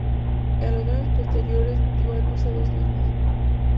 En los años posteriores dio a luz a dos niños.